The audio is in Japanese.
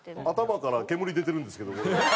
頭から煙出てるんですけどこれ。